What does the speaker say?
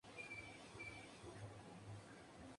Manny vuelve con su familia.